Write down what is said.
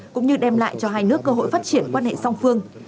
cũng như đem lại cho hai nước cơ hội phát triển quan hệ song phương